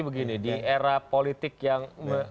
begini di era politik yang